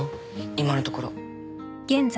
今のところ